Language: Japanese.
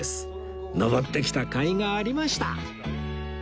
上ってきた甲斐がありました